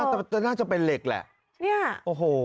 แต่น่าจะเป็นเหล็กแหละเนี่ยโอ้โห